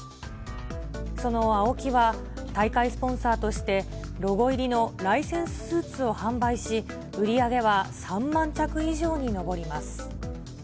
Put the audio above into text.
そのＡＯＫＩは、大会スポンサーとしてロゴ入りのライセンススーツを販売し、売り上げは３万着以上に上ります。